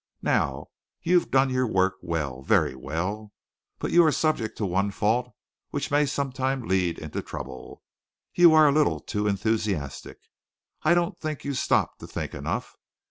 Now you've done your work well very well, but you are subject to one fault which may sometime lead into trouble. You're a little too enthusiastic. I don't think you stop to think enough.